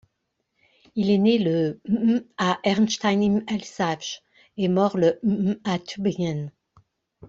Il est né le à Erstein im Elsaß et mort le à Tübingen.